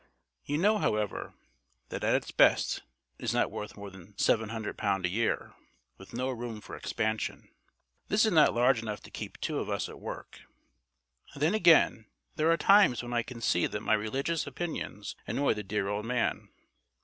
You know, however, that at its best it is not worth more than L700 a year, with no room for expansion. This is not large enough to keep two of us at work. Then, again, there are times when I can see that my religious opinions annoy the dear old man.